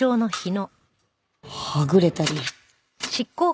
はぐれたり。